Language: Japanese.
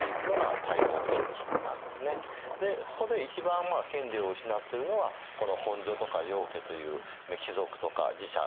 でここで一番権利を失っているのはこの本所とか領家という貴族とか寺社なんですね。